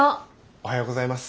おはようございます。